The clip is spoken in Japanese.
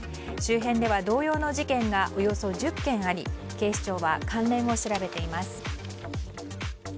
周辺では同様の事件がおよそ１０件あり警視庁は関連を調べています。